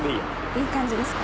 いい感じですか？